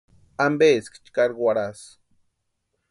¿Ampeeski chkari warhasï?